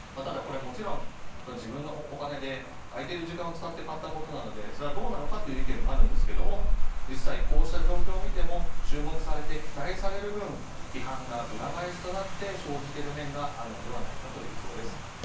もちろん、自分のお金で空いている時間を使って買ったことなのでそれはどうなのかという意見もありますが実際、こうした状況を見ても注目されて期待される分批判が裏返しとなって生じている面があるのではないかという予想です。